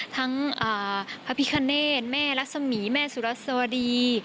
ทั้งพระพิคเนธแม่รักษมีแม่สุรัสวดี